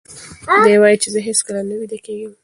دی وایي چې زه هیڅکله نه ویده کېږم.